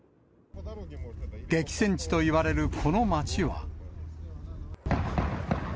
激戦地といわれるこの街は。